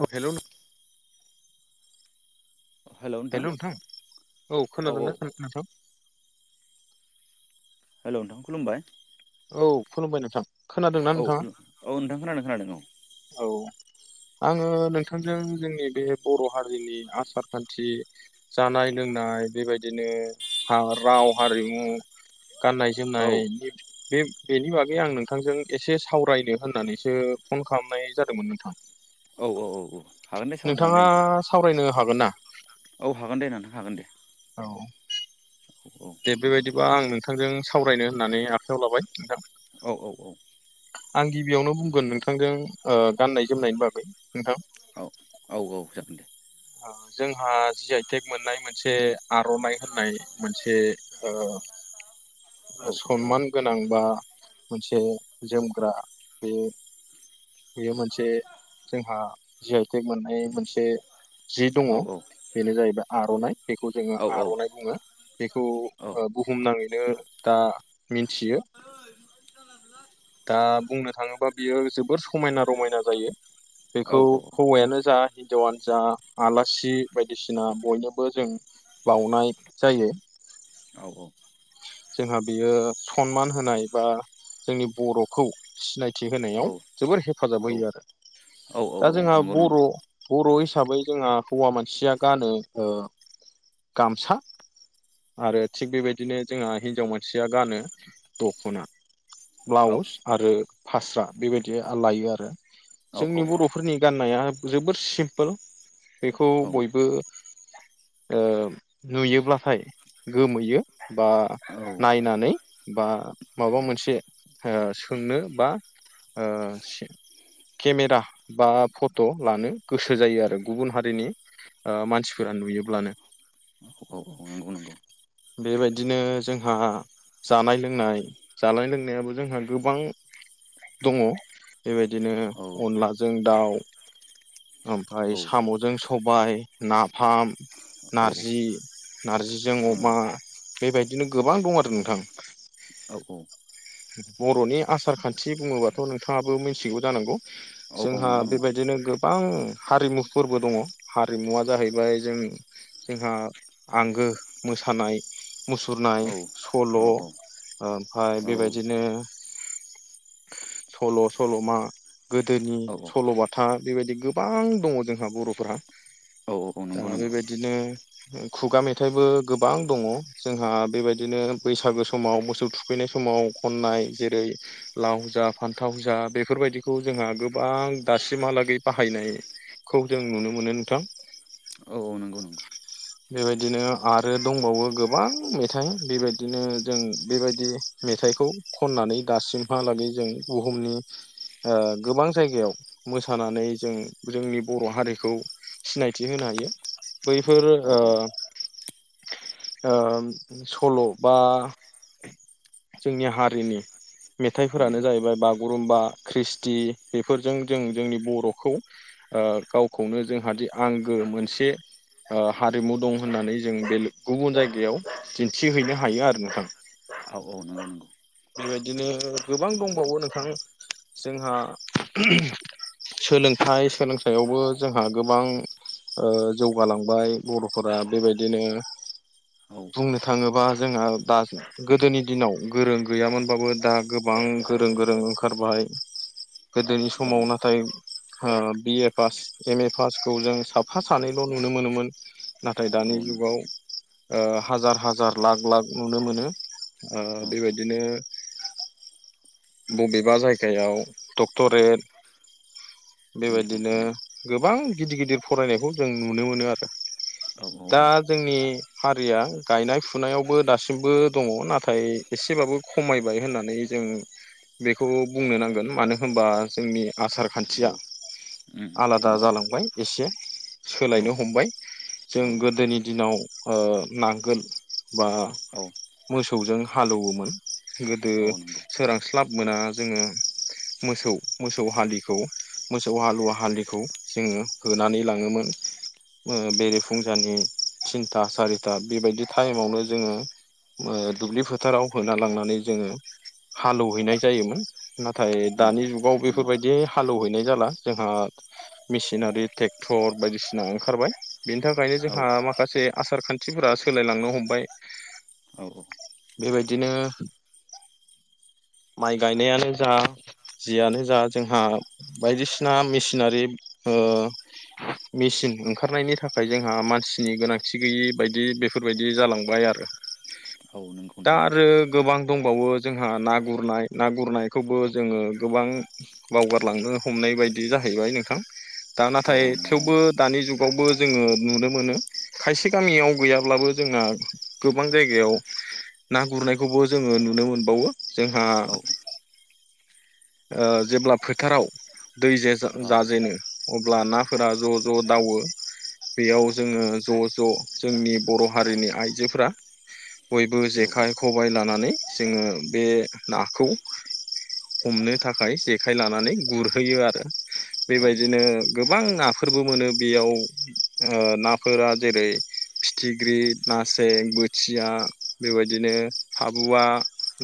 औ हेल' नों हेल' नोंथां औ खोनादोंना नोंथां? हेल' नोंथां खुलुमबाय। औ खुलुमबाय नोंथां खोनादोंना औ नोंथाङा खुलुम औ नोंथां खोनादों खोनादों औ। [inaudible] आङो नोंथांजों जोंनि बे बर' हारिनि आसार खान्थि जानाय लोंनाय। बेबायदिनो हा राव हारिमु गाननाय औ जोमनायनि बे बेनि बागै आं नोंथांजों एसे सावरायनो होननानैसो फन खालामनाय जादोंमोन नोंथां। औ औ औ औ। हागोन दे सारन हागोन दे नोंथाङा नोंथां सावरायनो हागोन ना औ हागोन दे नोंथां हागोन दे। औ औ दे बेबायदिबा आं नोंथांजों सावरायनो होननानै आखाइायाव लाबाय नोंथां। औ औ औ। आं गिबियावनो बुंगोन नोंथांजों ओ गाननाय जोमनायनि बागै नोंथां। औ औ औ जागोन दे। जोंहा जि आइटेक मोननाय मोनसे आर'नाइ होननाय मोनसे ओ औ [inaudible] औ सनमान गोनां बा मोनसे जोमग्रा बे बेयो मोनसे जोंहा जि आइ टेक मोननाय मोनसे जि दङ। औ बेनो जायैबाय आरनाइ बेखौ जोङो औ आरनाइ बुङो। बेखौ औ ओ बुहुमनाङैनो दा मिथियो। दा बुंनो थाङोबा बियो जोबोर समायना रमायना जायो। बेखौ औ हौवायानो जा हिनजावनो जा आलासि बायदि सिना बयनोबो जों बावनाय जायो। औ औ। जोंहा बियो सनमान होनाय बा जोंनि बर'खौ सिनायथि औ होनायाव जोबोर हेफाजाब होयो आरो दा जोंहा नंगौ बर' नंगौ बर' हिसाबै जोंहा हौवा मानसिया गानो ओ गामसा आरो थिग बेबाय दिनो जोंहा हिनजाव मानसिया गानो दखना औ ब्लाउस आरो फास्रा बेबायदि लायो आरो औ जोंनि बर'फोरनि गाननाया जोबोर सिम्पोल बेखौ औ बयबो ओ नुयोब्लाथाय गोमोयो बा औ नायनानै बा माबा मोनसे ओ सोंनो बा ओ सि केमेरा बा फट लानो गोसो जायो आरो गुबुन हारिनि ओ मानसिफोरा नुयोब्लानो। औ नंगौ नंगौ बेबायदिनो जोंहा जानाय लोंनाय जानाय लोंनायाबो जोंहा गोबां दङ बेबायदिनो औ अनलाजों दाउ। ओमफाय औ सामजों सबाय नाफाम औ नारजि नारजिजों अमा बेबायदिनो गोबां दं आरो नोंथां। बर'नि आसार खान्थि बुङोबाथ नोंथाङाबो मिनथिगौ जानांगौ। औ औ जोंहा नंगौ नंगौ बेबायदिनो गोबां हारिमुफोरबो दङ हारिमुवा जाहैबाय जोंनि जोंहा आंगो मोसानाय। मुसुरनाय औ औ सल' औ औ ओमफाय बेबायदिनो सल' सल'मा गोदोनि औ सल बाथा बेबायदि गोबां दङ जोंहा बर'फोरा। औ औ दा नंगौ नंगौ बेबायदिनो खुगा मेथाइबो गोबां दङ जोंहा बेबायदिनो बैसागो समाव मोसौ थुखैनाय समाव खननाय जेरै लाव जा फान्थाव जा बेफोरबायदिखौ जोंहा गोबां दासिमहालागै बाहायनाय खौ जों नुनो मोनो नोंथां औ औ नों बेबायदिनो आरो दंबावो गो गोबां मेथाइ बेबायदिनो जों बेबायदि मेथाइखौ खननानै दासिमहालागै जों बुहुमनि ओ गोबां जायगायाव मोसानानै जों जोंनि बर' हारिखौ सिनायथि होनो हायो बैफोर औ ओ औ ओ सल बा जोंनि हारिनि उम मेथाइफोरानो जाहैबाय बागुरुम्बा ख्रिस्टि बेफोरजों जों जोंनि बर'खौ ओ गावखौनो जोंहादि आंगो मोनसे ओ हारिमु दं होननानै जों बेले गुबुन जायगायाव याव दिन्थि हैैनो हायो आरो ना औ औ नंगौ नंगौ बेबायदिनो गोबां दंबावो नोंथां जोंहा सोलोंथाइ सोलोंथायावबो जोंहा गोबां ओ जौगालांबाय बर'फोरा बेबायदिनो औ बुंनो थाङोबा जोंहा दा गोदोनि दिनाव गोरों गैयामोनबाबो दा गोबां गोरों गोरों ओंखारबाय गोदोनि औ समाव नाथाय बि ए पास एम ए पासखौ जों साफा सानैल' नुनो मोनोमोन नाथाय औ दानि नों जुगाव ओ हाजार हाजार लाख लाख नुनो मोनो ओ औ बेबायदिनो बबेबा जायगायाव डक्टरेट उम औ नंगौ बेबादिनो गोबां गिदिर गिदिर फरायनायखौ जों नुनो मोनो आरो औ दा जोंनि हा रिया गायनाय फुनायावबो दासिमबो दङ नाथाय एसेबाबो खमायबाय होननानै जों बेखौ बुंनो नांगोन मानो होमबा जोंनि आसार औ खान्थिया उम आलादा नंगौ जालांबाय एसे औ सोलायनो हमबाय। जों गोदोनि दिनाव ओ नांगोल बा औ मोसौजों हालौवोमोन गोदो औ नंगौ सोरां क्लाब मोना जोङो मोसौ मोसौ हलिखौ मोसौ हालुवा हालिखौ जोङो होनानै लाङोमोन ओ बेरे फुंजानि थिनथा सारिथा बेबायदि टाइमावनो जोङो दुब्लि फोथाराव होना लांनानै जोङो हालौवहैनाय जायोमोन नाथाय उम दानि जुगाव नंगौ बेफोरबायदि हालौवहैनाय जाला जोंहा मेसिनारि ट्रेक्टर बायदिसिना ओंखारबाय बिनि थाखायनो औ जोंहा माखासे आसार खान्थिफोरा सोलायलांनो हमबाय [inaudible] बेबायदिनो माइ गायनायानो जा जियानो जा जोंहा बायदिसिना मेसिनारि ओ मिसिन ओंखारनायनि थाखाय जोंहा मानसिनि गोनांथि गैयि बायदि बेफोरबायदि जालांबाय आरो औ नंगौ दा नंगौ आरो गोबां दंबावो जों हा ना गुरनाय ना गुरनायखौबो जोङो गोबां बावगारलांनो हमनाय बायदि जाहै बाय नोंथां दा औ नाथाय औ नंगौ थेवबो नंगौ दानि जुग आवबो जोङो नुनो मोनो खायसे गामियाव गैयाब्लाबो जोंना गोबां जायगायाव ना गुरनायखौबो जोङो नुनो मोनबावो जोंहा औ औ औ ओ जेब्ला फोथाराव दै जे जाजेनो अब्ला नाफोरा ज' ज' दावो बेयाव जोङो ज' ज' जोंनि बर' हारिनि आइजोफ्रा बयबो जेखाइ खबाय लानानै जोङो बे नाखौ हमनो थाखाय जेखाइ लानानै गुरहैयो आरो बेबायदिनो गोबां ना फोरबो मोनो बेयाव ओ नाफोरा जेरै फिथिख्रि नास्रें बोथिया बेबायदिनो हाबुआ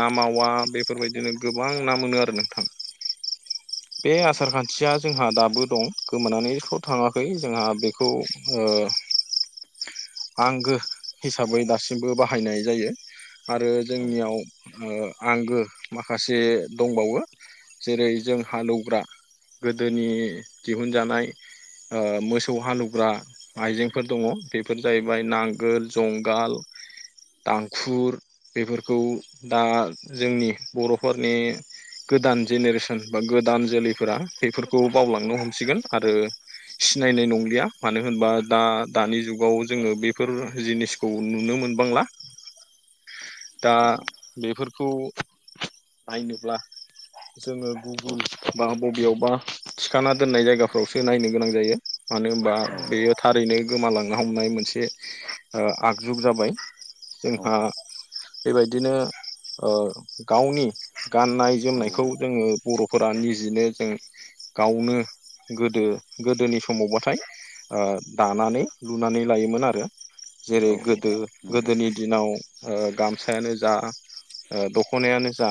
ना मा वा बेफोरबायदिनो गोबां ना मोनो आरो नोंथां बे औ औ आसार खान्थिया जोंहा दाबो दं गोमानानैस' थाङाखै जोंहा बेखौ ओ आंगो हिसाबै दासिमबो बाहायनाय जायो आरो जोंनियाव ओ आंगो माखासे दंबावो जेरै जों हालौग्रा गोदोनि दिहुनजानाय ओ मोसौ हालौग्रा आइजेंफोर दङ बेफोर जाहैबाय नांगोल जंगाल दांखुर बेफोरखौ दा जोंनि बर'फोरनि गोदान जेनेरेसन बा गोदान जोलैफोरा बेफोरखौ बावलांनो हमसिगोन आरो सिनायनाय नंलिया मानो होनबा दा दानि जुगाव जोङो बेफोर जिनिसखौ नुनो मोनबांला दा बेफोरखौ नायनोब्ला जोङो गुगोल बा बबेयावबा थिखाना दोननाय जायगाफ्रावसो नायनो गोनां जायो मानो होमबा औ बेयो थारैनो गोमालांनो हमनाय मोनसे ओ आगजुग जाबाय जोंहा बेबायदिनो ओ गावनि गाननाय औ जोमनायखौ जोङो बर'फोरा निजिनो जों गावनो गोदो गोदोनि समावबाथाय ओ दानानै लुनानै लायोमोन आरो जेरै गोदो नंगौ गोदोनि दिनाव ओ गामसायानो जा ओ दखनायानो जा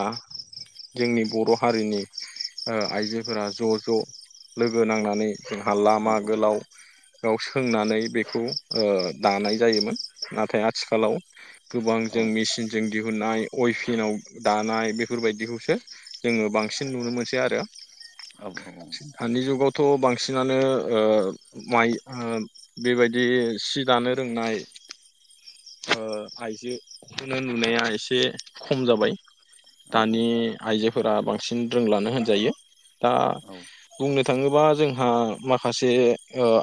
जोंनि बर हारिनि आइजोफोरा ज' ज' लोगो नांनानै जोंहा औ लामा औ औ गोलाव याव सोंनानै बेखौ ओ दानाय जायोमोन नाथाय आथिखालाव गोबां जों मेचिनजों दिहुननाय अयभिनाव दानाय बेफोरबायदिखौसो जोङो बांसिन नुनो मोनसै आरो औ औ नंगौ औ दानि जुगाव थ बांसिनानो ओ माइ बेबायदि सि दानो रोंनाय आइजोखौनो नुनाया एसे खम जाबाय दानि आइजोफोरा बांसिन रोंलानो होनजायो दा बुंनो बुंनो थाङोबा जोंहा माखासे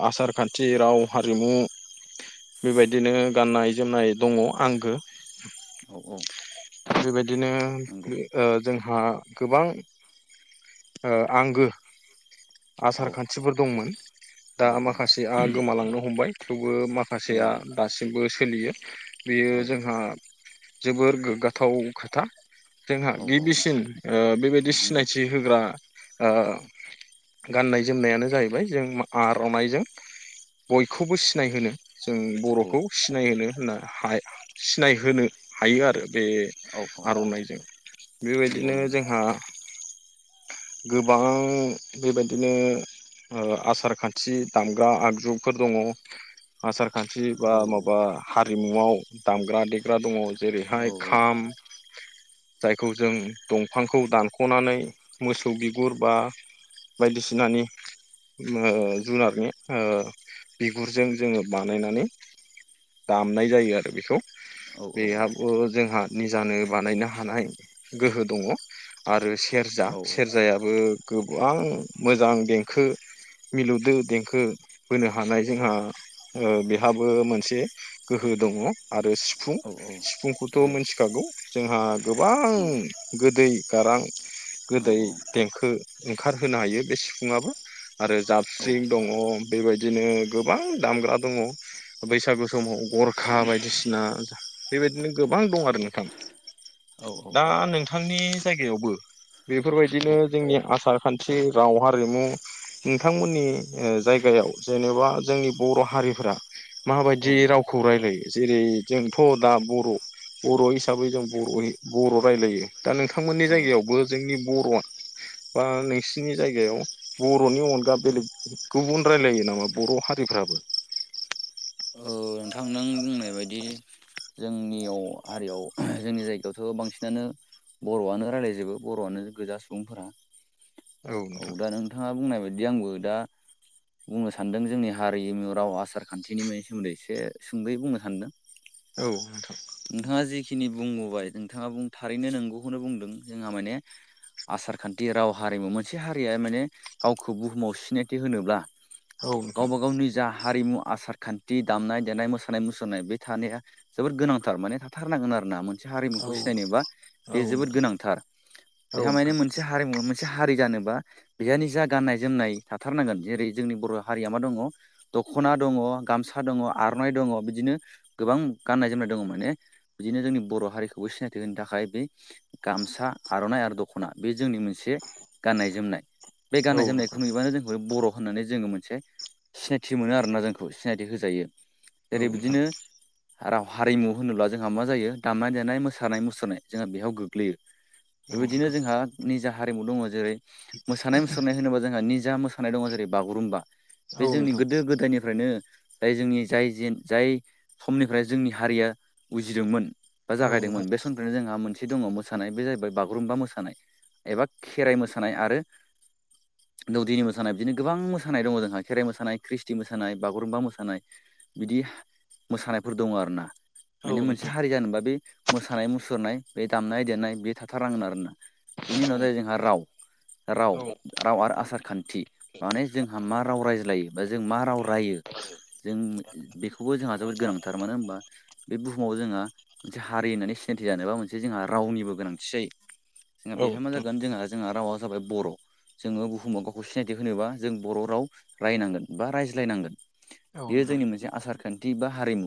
आसार खान्थि राव हारिमु बेबायदिनो गाननाय जोमनाय दङ आंगो औ औ बिदिनो ओ आंहा गोबां ओ आंगो आसार खान्थिफोर दंमोन दा माखासेया गोमालांनो हमबाय थेवबो औ माखासेया दासिमबो सोलियो बेयो औ औ जोंहा जोबोर गोग्गाथाव खोथा जोंहा औ औ गिबिसिन ओ बेबायदि नंगौ सिनायथि होग्रा ओ गाननाय जोमनायानो जाहैबाय जों आरनाइजों बयखौबो सिनायहोनो जों औ बर'खौ सिनायहोनो होनना हा सिनायहोनो हायो आरो बे औ औ आरनाइजों नंगौ बेबायदिनो नंगौ जोंहा गोबां बेबायदिनो ओ आसार खान्थि दामग्रा आगजुफोर दङ आसार खान्थि औ बा माबा हारिमुआव दामग्रा देग्रा दङ औ जेरैहाय खाम [inaudible] जायखौ जों दंफांखौ दानख'नानै मोसौ बिगुर बा बायदिसिनानि ओ जुनारनि ओ बिगुरजों जोङो बानायनानै दामनाय जायो आरो बेखौ औ बेयाबो जोंहा निजानो बानायनो हानाय गोहो दङ आरो सेरजा औ सेरजायाबो गोबां मोजां देंखो मिलौदो देंखो बोनो हानाय जोंहा ओ बेहाबो मोनसे गोहो दङ आरो सिफुं सिफुंखौ थ मिथिखागौ जोंहा गोबां गोदै गारां गोदै देंखो ओंखारहोनो हायो बे सिफुङाबो आरो जाबस्रिं दङ बेबायदिनो गोबां दामग्रा दङ बैसागु समाव गरखा बायदिसिना बेबायदिनो गोबां दं आरो नोंथां दा नोंथांनि जायगायावबो बेफोरबायदिनो जोंनि आसार खान राव हारिमु नोंथांमोननि ओ जायगायाव जेनेबा जोंनि बर' हारिफोरा औ माबायदि रावखौ रायलायो जेरै जोंथ' दा बर' बर' हिसाबै जों बर'यै बर' रायलायो दा नोंथांमोननि जायगायावबो जोंनि बर' आ अ नोंसि नि जायगायाव बर'नि अनगा बेलेग गुबुन रायलायो नामा बर' हारिफ्राबो [inaudible] औ नोंथां नों बुंनाय बायदि जोंनियाव हारियाव जोंनि जायगायावथ' बांसिनानो बर'आनो रायलायजोबो बर'आनो गोजा सुबुंफोरा औ दा नोंथाङा बुंनाय बाय दि आंबो दा बुंनो सानदों जोंनि हारिमु राव आसार खान्थिनि मोन से सोमोन्दै एसे सुंदयै बुंनो सानदों। औ नोंथां। नोंथाङा जिखिनि बुंबोबाय नोंथाङा बुं थारैनो नोंगौखौनोबुंदों जोंहा माने। आसारखान्थि राव हारिमु मोनसे हारिया माने गावखौ बुहुमाव सिनायथि होनोब्ला औ नोंथां गावबा गावनि जा हारिमु आसार खान्थि दामनाय देनाय मोसानाय मुसुरनाय बेथानाया जोबोद गोनां थार माने थाथारनांगोन आरोना मोन से औ हारिमुखौ सिनायनोबा बे जोबोद नोंथां गोनांथार औ बेहा माने नोंथां मोनसे हरिमुवा मोन से हारि जानोबा बेहा निजा गननाय जोमनाय थाथारनांगोन जेरै जोंनि बर हारिया मादङ दखना दङ गामसा दङ आरनाइ दङ बिदिनो गोबां गाननाय जोमनाय दङमोन। माने बिदिनो जोंनि बर हारिखौबो सिनायथिहोनो थाखाय बे गामसा आर'नाइ आरो दखना बे जोंनि मोनसे गाननाय जोमनाय बे औ नोंथां गाननाय औ जोमनायखो नोंथां नुयोबानो जोंखौ माने बर' होननानै जोङो मोनसे सिनायथि मोनोआरोना जोंखौ सिनायथि होजायो। औ जेरै नोंथां बिदिनो राव हारिमु होनोब्ला जोंहा माजायो दामनाय देनाय मोसानाय मुसुरनाय जोंहा बेहयाव गोग्लैयो। औ नोंथां बेबायदिनो जोंहा निजा हारिमु दङ जेरै मोसानाय मुसुरनाय होनोबा जोंहा नि जा मोसानाय दङ जेरै बागुरुम्बा बे औ नोंथां औ जोंनि नोंथां गोदो गोदायनिफ्रायनो जाय जोंनि जाय जिन जाय समनिफ्राय जोंनि हारिया उजिदोंमोन। बा औ जागायदोंमोन बे समनिफ्रायनो जोंहा मोन दङ मोसानाय बे जाहैबाय बागुरुम्बा मोसानाय एबा खेराइ मोसानाय आरो दौदिनि मोसानाय बिदनो गोबां मोसानाय दङ जोंहा खेराइ मोसानाय ख्रिस्टि मोसानाय बागुरुम्बा मोसानाय। बिदि मोसानायफोर दङ आरोना। मायने मोनसे हारि जानोबा बे मोसानाय मुसुरनाय बे दामनाय देनाय बे थाथारनांगोन आरोना। बेनि उनाव जायो जोंहा राव। राव राव आरो आसार खान्थि माने जोंहा माराव रायज्लायो। बा जों मा राव रायो जों बेखौबो जोंहा जोबोद गोनांथार मानोहोनबा। समाव जोङो मोनसे हारि होननानै सिनायथि जानोबा मोनसे जोंहा रावनिबो गोनांथि जायो। जोंहा औ औ बेहाय माजागोन जोंहा जोंहा रावा जाबाय बर। जोङो बुहुमाव गावखौ सिनायथि होनोबा जों बर राव रायनांगोन बा रायज्लायनांगोन। औ बेयो नोंथां जोंनि मोनसे आसारखान्थि बा हारिमु।